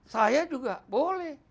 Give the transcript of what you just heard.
saya juga boleh